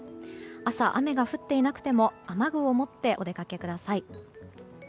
朝、雨が降っていなくても雨具を持ってお出かけください。